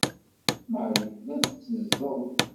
Marie tella teẓẓel.